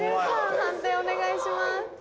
判定お願いします。